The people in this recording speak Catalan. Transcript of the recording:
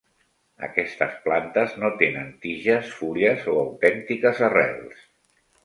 Aquestes plantes no tenen tiges, fulles o autèntiques arrels.